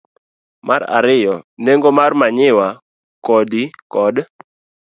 Mar ariyo, nengo mag manyiwa, kodhi, kod